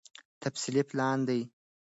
تفصيلي پلان دی